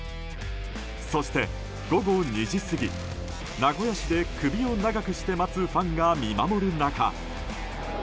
そして、午後２時過ぎ名古屋市で首を長くして待つファンが見守る中。